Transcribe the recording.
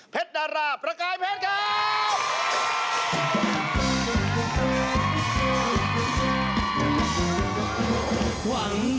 เพชรดาราบประกายเพชรกาว